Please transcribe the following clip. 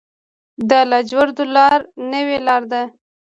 د لاجوردو لاره نوې لاره ده